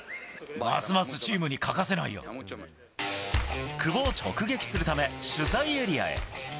ますますチームに欠かせない久保を直撃するため、取材エリアへ。